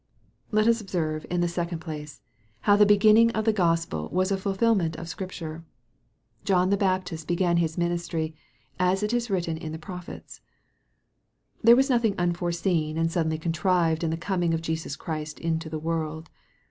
Let us observe, in the second place, how the beginning of the Gospel was a fulfilment of Scripture. John the Baptist began his ministry, "as it is written in the prophets." There was nothing unforeseen and suddenly contrived in the coming of Jesus Christ into the world.